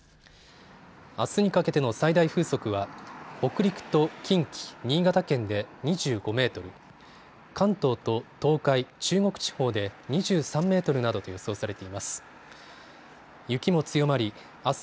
あすにかけての最大風速は北陸と近畿、新潟県で２５メートル、関東と東海、中国地方で２３メートルなどと予想されています。